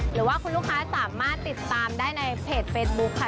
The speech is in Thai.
หรือว่าคุณลูกค้าสามารถติดตามได้ในเพจเฟซบุ๊คค่ะ